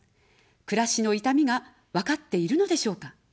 暮らしの痛みがわかっているのでしょうか。